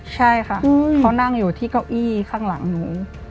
ใช่ค่ะเขานั่งอยู่ที่เก้าอี้ข้างหลังหนู